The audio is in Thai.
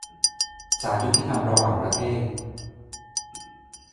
ศาลยุติธรรมระหว่างประเทศ